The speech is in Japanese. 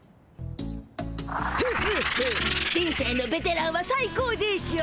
フフフ人生のベテランは最高でしょ。